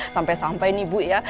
sampai sampai nih bu ya